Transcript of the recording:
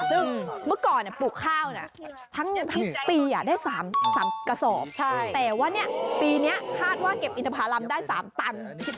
ซึ่งเมื่อก่อนปลูกข้าวนะทั้งปีได้๓กระสอบแต่ว่าปีนี้คาดว่าเก็บอินทภารำได้๓ตัน